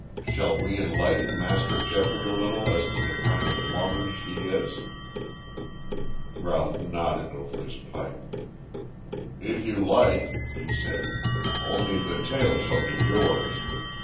Shall we enlighten Master Geoffrey a little as to the kind of woman she is?" Ralph nodded over his pipe. "If you like," he said. "Only the tale shall be yours.